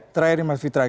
terakhir nih mas fitra